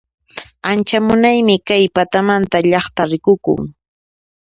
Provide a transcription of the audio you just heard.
Ancha munaymi kay patamanta llaqtaqa rikukun